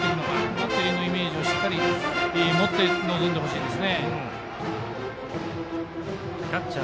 バッテリーのイメージをしっかり持って臨んでほしいです。